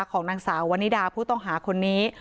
ของนางสาววันนิดาผู้ต้องหาคนนี้